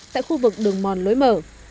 tại khu vực đường mòn lối mở